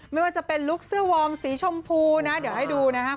ไม่ว่าจะเป็นลุคเสื้อวอร์มสีชมพูนะเดี๋ยวให้ดูนะครับ